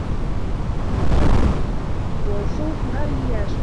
وَصُوفُهَا رِيَاشٍ